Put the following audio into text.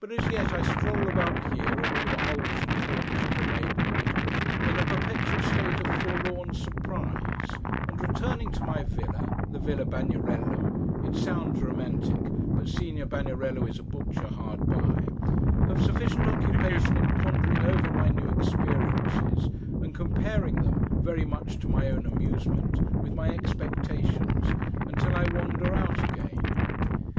But, as yet, I stroll about here, in all the holes and corners of the neighbourhood, in a perpetual state of forlorn surprise; and returning to my villa: the Villa Bagnerello (it sounds romantic, but Signor Bagnerello is a butcher hard by): have sufficient occupation in pondering over my new experiences, and comparing them, very much to my own amusement, with my expectations, until I wander out again.